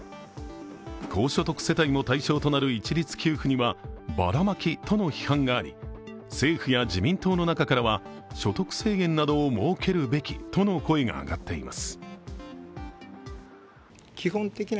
高所得世帯も対象となる一律給付にはばらまきとの批判もあり政府や自民党の中からは所得制限などを設けるべきとの声が上がっています。